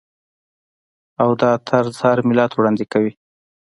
او دا طرز هر ملت وړاندې کوي.